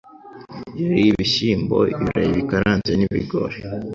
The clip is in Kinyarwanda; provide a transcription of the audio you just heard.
Yariye ibishyimbo ibirayi bikaranze n'ibigori